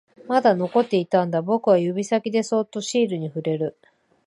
まだ残っていたんだ、僕は指先でそっとシールに触れる